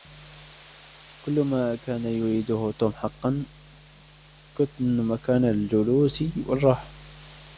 كل ما كان يريده توم حقاً كتن مكان للجلوس والراحة.